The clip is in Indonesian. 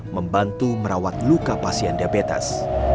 membantu merawat luka pasien diabetes